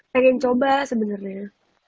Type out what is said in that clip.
pengen coba sebenarnya